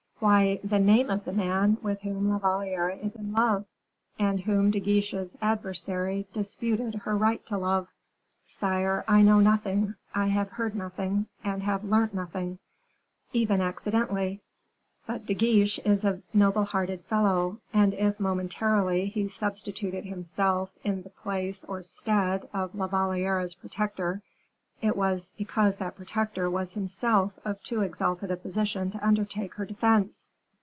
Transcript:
"Why, the name of the man with whom La Valliere is in love, and whom De Guiche's adversary disputed her right to love." "Sire, I know nothing I have heard nothing and have learnt nothing, even accidentally; but De Guiche is a noble hearted fellow, and if, momentarily, he substituted himself in the place or stead of La Valliere's protector, it was because that protector was himself of too exalted a position to undertake her defense."